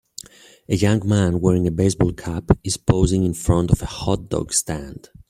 A young man wearing a baseball cap is posing in front of a hotdog stand.